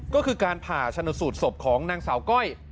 ก็คือการผ่าชนสูตรศพของนางสาวก้อย